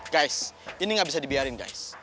guys ini gak bisa dibiarin guys